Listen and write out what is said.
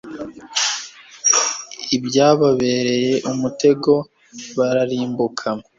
ibyababereye umutego bararimbuka